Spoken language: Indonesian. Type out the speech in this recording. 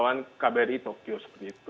jadi itu adalah pertanyaan dari kbri tokyo